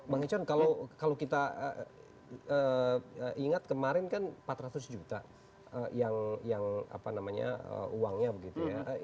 bang icon kalau kita ingat kemarin kan empat ratus juta yang uangnya begitu ya